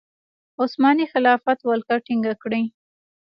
عثماني خلافت ولکه ټینګه کړي.